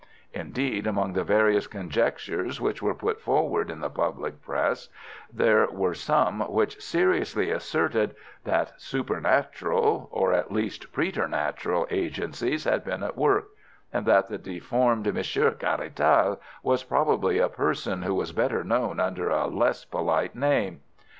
Indeed, among the various conjectures which were put forward in the public Press there were some which seriously asserted that supernatural, or, at least, preternatural, agencies had been at work, and that the deformed Monsieur Caratal was probably a person who was better known under a less polite name.